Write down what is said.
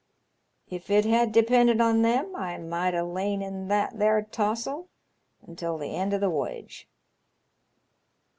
If it had depended on them I might ha' lain in that there taws'l ontil th' end o' th' woyage.